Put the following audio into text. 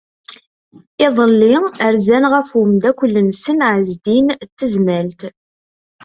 Iḍelli, rzan ɣef umeddakel-nsen Ɛezdin n Tezmalt.